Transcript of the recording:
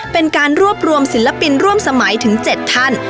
เป็นการรวบรวมศิลปินร่วมสมัยถึง๗ท่าน